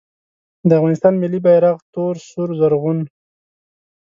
د افغانستان ملي بیرغ تور سور زرغون